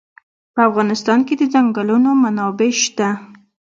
په افغانستان کې د ځنګلونه منابع شته.